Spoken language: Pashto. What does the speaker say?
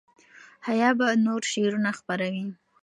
حیا به نور شعرونه خپروي.